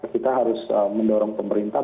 kita harus mendorong pemerintah